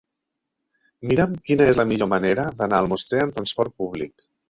Mira'm quina és la millor manera d'anar a Almoster amb trasport públic.